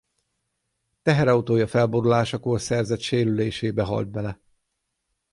Teherautója felborulásakor szerzett sérülésébe halt bele.